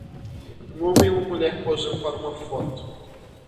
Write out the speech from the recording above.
um homem e uma mulher posando para uma foto